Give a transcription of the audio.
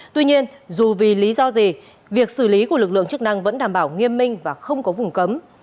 tuy nhiên dù vì lý do gì việc xử lý của lực lượng chức năng vẫn đảm bảo nghiêm minh và không có vùng cấm